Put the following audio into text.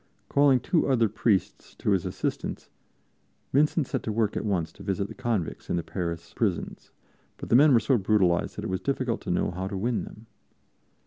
Calling two other priests to his assistance, Vincent set to work at once to visit the convicts in the Paris prisons; but the men were so brutalized that it was difficult to know how to win them.